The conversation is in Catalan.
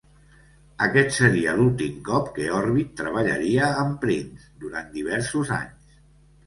Aquest seria l'últim cop que Orbit treballaria amb Prince durant diversos anys.